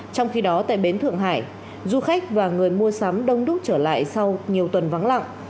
trong khi đó tại bến thượng hải du khách và người mua sắm đông đúc trở lại sau nhiều tuần vắng lặng